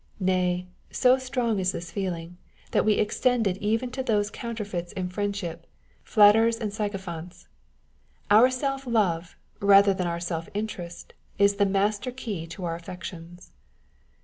Nay, so strong is this feeling, thatVe extend it even to those counterfeits in friendship â€" flatterers and sycophants. Our self love, rather than our self interest, is the master key to our affections.